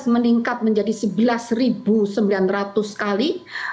dua ribu delapan belas meningkat menjadi sebelas sembilan ratus kali